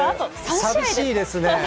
寂しいですね。